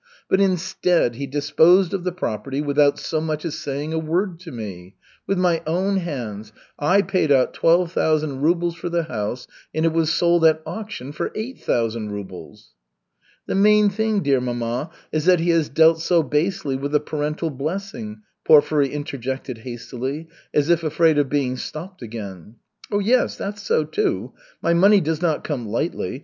But instead, he disposed of the property without so much as saying a word to me. With my own hands, I paid out twelve thousand rubles for the house, and it was sold at auction for eight thousand rubles!" "The main thing, dear mamma, is that he has dealt so basely with the parental blessing," Porfiry interjected hastily, as if afraid of being stopped again. "Yes, that's so, too. My money does not come lightly.